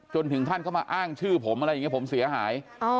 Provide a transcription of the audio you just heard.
จนถึงท่านก็มาอ้างชื่อผมอะไรอย่างนี้ผมเสียหาย